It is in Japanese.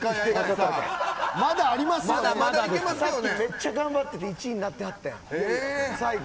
さっき、めっちゃ頑張って１位になってはったやん、最後。